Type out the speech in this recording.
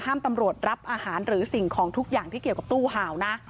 ตำรวจรับอาหารหรือสิ่งของทุกอย่างที่เกี่ยวกับตู้ห่าวนะ